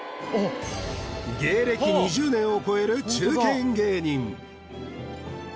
芸歴２０年を超える中堅